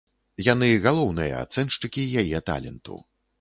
Яны галоўныя ацэншчыкі яе таленту.